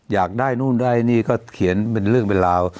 อยากได้นู่นได้นี่ก็เขียนเป็นเรื่องเป็นราว